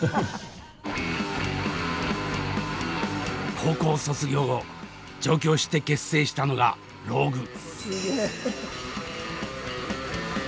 高校卒業後上京して結成したのがＲＯＧＵＥ。